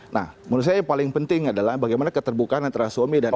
nah menurut saya yang paling penting adalah bagaimana keterbukaan antara suami dan anak anak